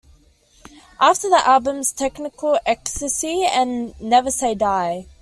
After the albums "Technical Ecstasy" and "Never Say Die!